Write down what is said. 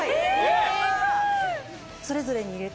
それぞれに入れて。